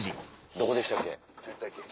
どこでしたっけ？